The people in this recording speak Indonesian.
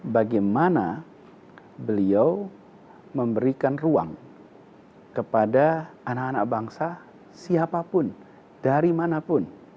bagaimana beliau memberikan ruang kepada anak anak bangsa siapapun dari manapun